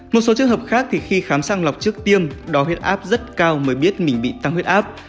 một số trường hợp khác thì khi khám sang lọc trước tiêm đo huyết áp rất cao mới biết mình bị tăng huyết áp